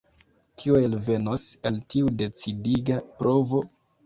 Kio elvenos el tiu decidiga provo?